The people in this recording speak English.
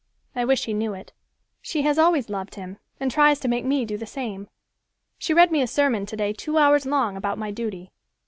I wish he knew it. She has always loved him and tries to make me do the same. She read me a sermon today two hours long about my duty.